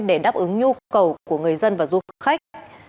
để đáp ứng nhu cầu của người dân và du khách